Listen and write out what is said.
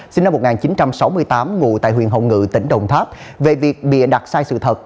sinh năm một nghìn chín trăm sáu mươi tám ngụ tại huyện hồng ngự tỉnh đồng tháp về việc bịa đặt sai sự thật